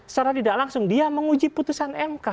secara tidak langsung dia menguji putusan mk